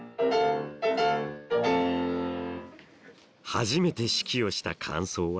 初めて指揮をした感想は？